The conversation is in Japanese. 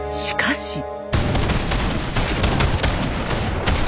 しかし。